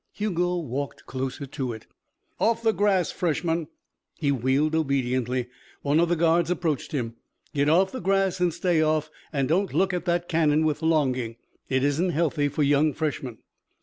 Hugo walked closer to it. "Off the grass, freshman!" He wheeled obediently. One of the guards approached him. "Get off the grass and stay off and don't look at that cannon with longing. It isn't healthy for young freshmen."